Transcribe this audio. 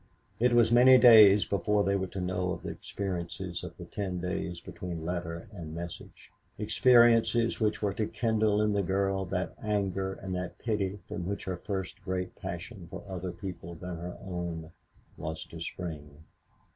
It was many days before they were to know of the experiences of the ten days between letter and message, experiences which were to kindle in the girl that anger and that pity from which her first great passion for other people than her own was to spring.